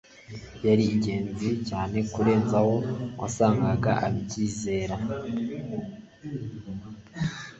yari ingenzi cyane kurenza uko wasangaga ubyizera